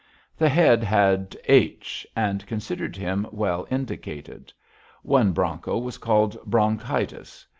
The Head had H , and considered him well indicated. One bronco was called "Bronchitis."